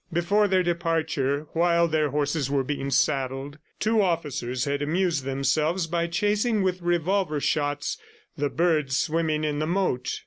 Before their departure, while their horses were being saddled, two officers had amused themselves by chasing with revolver shots the birds swimming in the moat.